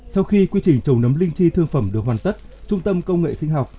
sau khi quy trình trồng nấm linh chi thương phẩm được hoàn tất trung tâm công nghệ sinh học